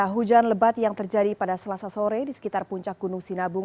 hujan lebat yang terjadi pada selasa sore di sekitar puncak gunung sinabung